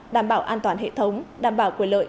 đảm bảo an toàn hệ thống đảm bảo quyền lợi